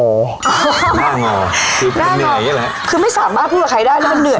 คือมันเหนื่อยอย่างเงี้ยแหละคือไม่สามารถพูดกับใครได้แล้วมันเหนื่อย